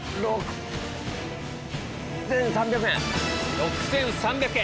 ６３００円。